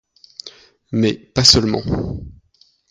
Mais, pas seulement.